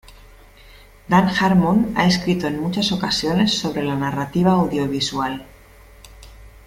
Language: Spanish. Dan Harmon ha escrito en muchas ocasiones sobre la narrativa audiovisual.